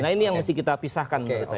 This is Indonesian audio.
nah ini yang mesti kita pisahkan menurut saya